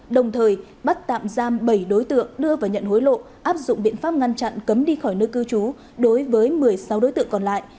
đồng thời bắt tạm giam bảy đối tượng đưa và nhận hối lộ áp dụng biện pháp ngăn chặn cấm đi khỏi nơi cư trú đối với một mươi sáu đối tượng còn lại